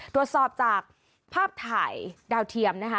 ตรวจสอบจากภาพถ่ายดาวเทียมนะคะ